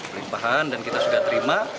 pelimpahan dan kita sudah terima